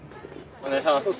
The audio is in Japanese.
お願いします。